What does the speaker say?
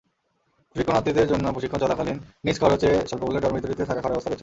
প্রশিক্ষণার্থীদের জন্য প্রশিক্ষণ চলাকালীন নিজ খরচে স্বল্পমূল্যে ডরমিটরিতে থাকা-খাওয়ার ব্যবস্থা রয়েছে।